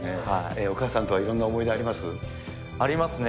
お母さんとはいろんな思い出ありますね。